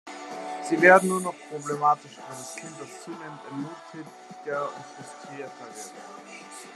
Sie werden nur noch problematischer für das Kind, das zunehmend entmutigter und frustrierter wird.